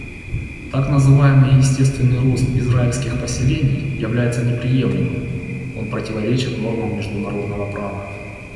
Так называемый естественный рост израильских поселений является неприемлемым; он противоречит нормам международного права.